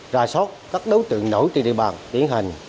ra soát các đối tượng nổi từ địa bàn tiến hành